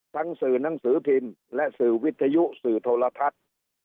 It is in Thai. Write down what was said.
สื่อหนังสือพิมพ์และสื่อวิทยุสื่อโทรทัศน์